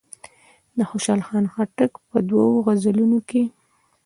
د خوشحال خان خټک په دوو غزلونو کې.